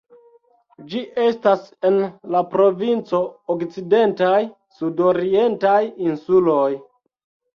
Ĝi estas en la provinco Okcidentaj sudorientaj insuloj.